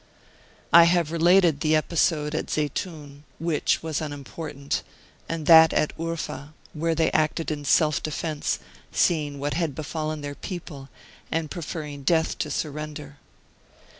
I have related the episode at Zeitoun, which was unimportant, and that at Urfa, where they acted in self defence, seeing what had befallen their people, and preferring death to surrender.